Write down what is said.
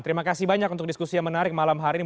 terima kasih banyak untuk diskusi yang menarik malam hari ini